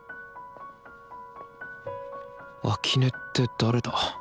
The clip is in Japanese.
秋音って誰だ？